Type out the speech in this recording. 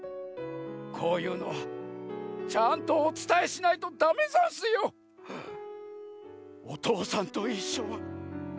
こういうのはちゃんとおつたえしないとダメざんすよ。「おとうさんといっしょ」は。